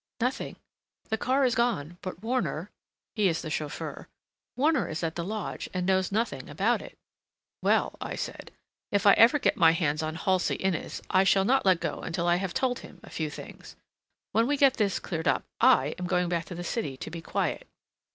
"Nothing. The car is gone, but Warner"—he is the chauffeur—"Warner is at the lodge and knows nothing about it." "Well," I said, "if I ever get my hands on Halsey Innes, I shall not let go until I have told him a few things. When we get this cleared up, I am going back to the city to be quiet.